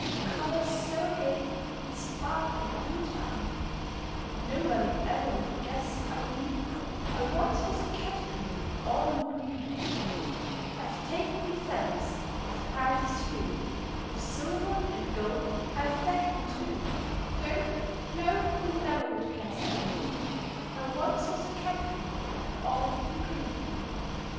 Colours so gay, and sparkling each eye, Nobody ever would guess, I ween, I once was a Caterpillar all in green. [Illustration: "With silver and gold I have decked me too."] I've taken me feathers of brightest hue, With silver and gold I have decked me too: No, no! you never would guess, I ween, I once was a Caterpillar all in green.